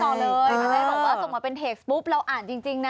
ตอนแรกบอกว่าส่งมาเป็นเทคปุ๊บเราอ่านจริงนะ